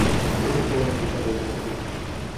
ولي ښوونکی تمرینونه ورکوي؟